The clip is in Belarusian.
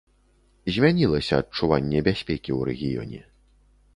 Змянілася адчуванне бяспекі ў рэгіёне.